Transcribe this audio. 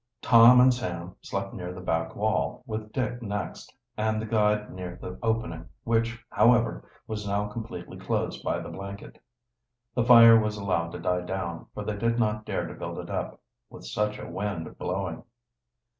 Tom and Sam slept near the back wall, with Dick next, and the guide near the opening, which, however, was now completely closed by the blanket. The fire was allowed to die down, for they did not dare to build it up, with such a wind blowing.